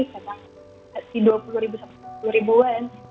memang di dua puluh ribu sampai sepuluh ribuan